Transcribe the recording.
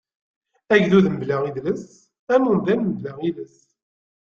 Agdud mebla idles, am umdan mebla iles.